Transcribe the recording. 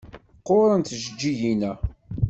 Qqurent tjeǧǧigin-a.